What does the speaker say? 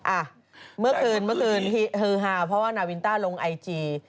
อ้าเมื่อคืนเฮอฮาเพราะว่านาวินต้าลงไอจี